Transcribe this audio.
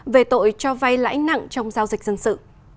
về tội cho vay lãi nặng trong giao dịch dân sự